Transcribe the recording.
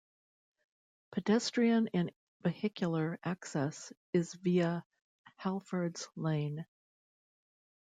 Pedestrian and vehicular access is via Halfords Lane.